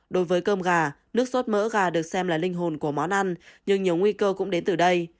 đối với cơm gà nước sốt mỡ gà được xem là linh hồn của món ăn nhưng nhiều nguy cơ cũng đến từ đây